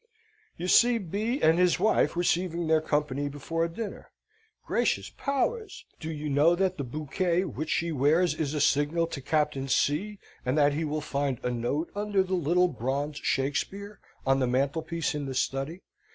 You see B. and his wife receiving their company before dinner. Gracious powers! Do you know that that bouquet which she wears is a signal to Captain C., and that he will find a note under the little bronze Shakespeare on the mantelpiece in the study?